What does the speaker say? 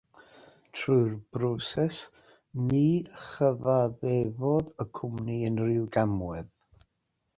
Trwy'r broses, ni chyfaddefodd y cwmni unrhyw gamwedd.